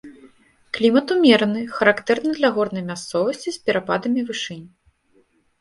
Клімат умераны, характэрны для горнай мясцовасці з перападамі вышынь.